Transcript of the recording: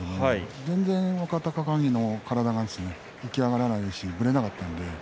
全然若隆景の体が浮き上がらないしぶれませんでした。